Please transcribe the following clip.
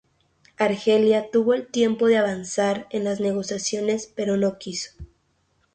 Argelia tuvo el tiempo de avanzar en las negociaciones pero no quiso.